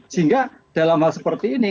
sehingga dalam hal seperti ini